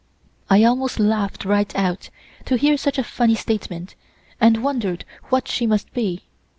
I almost laughed right out, to hear such a funny statement, and wondered what she must be.